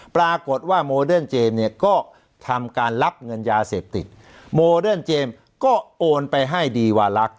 ปรากฏว่าโมเดิร์นเจมส์เนี่ยก็ทำการรับเงินยาเสพติดโมเดิร์นเจมส์ก็โอนไปให้ดีวาลักษ